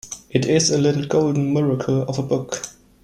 It is a little golden miracle of a book.